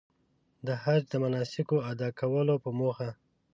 د حج د مناسکو ادا کولو په موخه.